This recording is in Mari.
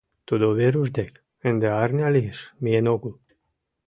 Тудо Веруш дек, ынде арня лиеш, миен огыл.